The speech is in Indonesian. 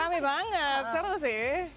rame banget seru sih